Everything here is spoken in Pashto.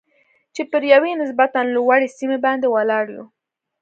چې پر یوې نسبتاً لوړې سیمې باندې ولاړ یو.